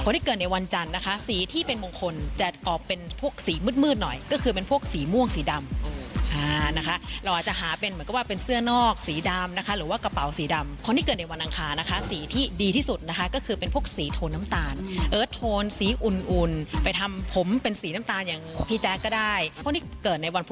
ที่เกิดในวันจันทร์นะคะสีที่เป็นมงคลจะออกเป็นพวกสีมืดหน่อยก็คือเป็นพวกสีม่วงสีดำนะคะเราอาจจะหาเป็นเหมือนกับว่าเป็นเสื้อนอกสีดำนะคะหรือว่ากระเป๋าสีดำคนที่เกิดในวันอังคารนะคะสีที่ดีที่สุดนะคะก็คือเป็นพวกสีโทนน้ำตาลเอิร์ทโทนสีอุ่นอุ่นไปทำผมเป็นสีน้ำตาลอย่างพี่แจ๊คก็ได้คนที่เกิดในวันพ